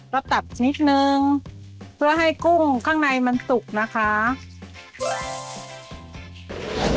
ตับนิดนึงเพื่อให้กุ้งข้างในมันสุกนะคะ